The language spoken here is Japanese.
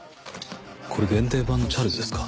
これ限定版のチャールズですか？